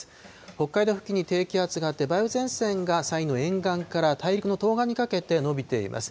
北海道付近に低気圧があって、梅雨前線が山陽の沿岸から大陸の東岸にかけて延びています。